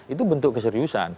itu bentuk keseriusan